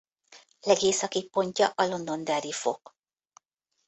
Legészakibb pontja a Londonderry-fok.